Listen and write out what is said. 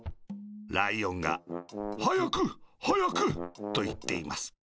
ライオンが「はやくはやく」といっています。